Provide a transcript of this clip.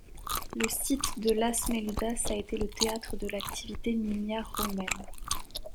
Le site de Las Médulas a été le théâtre de l'activité minière romaine.